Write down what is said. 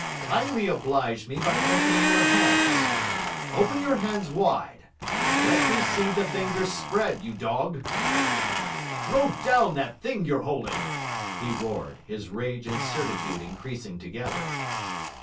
'Kindly oblige me by opening your hands. Open your hands wide let me see the fingers spread, you dog throw down that thing you're holding!' he roared, his rage and certitude increasing together.